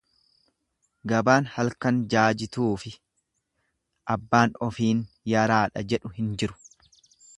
Gabaan halkan jaajituufi abbaan ofin yaraadha, jedhu hin jiru.